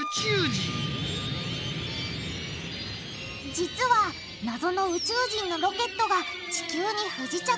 実は謎の宇宙人のロケットが地球に不時着。